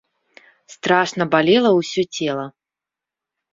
Страшна балела ўсё цела.